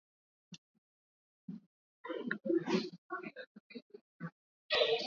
usalama wa kutosha na katika jamhuri ya kidemokrasia congo polisi tisa